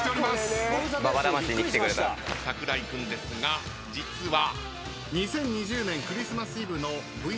櫻井君ですが実は。